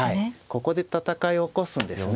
ここで戦いを起こすんですね。